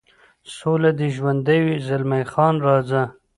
سوله دې ژوندی وي، زلمی خان: راځه.